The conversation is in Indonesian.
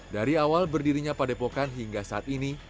dari awal berdirinya padepokan hingga saat ini